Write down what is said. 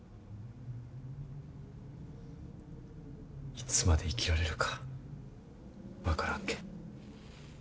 いつまで生きられるか分からんけん。